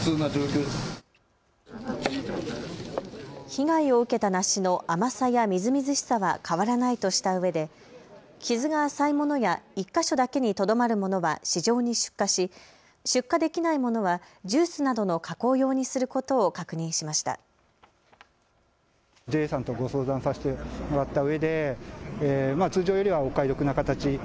被害を受けた梨の甘さやみずみずしさは変わらないとしたうえで傷が浅いものや１か所だけにとどまるものは市場に出荷し、出荷できないものはジュースなどの加工用にすることを確認しました。